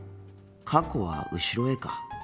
過去は後ろへか。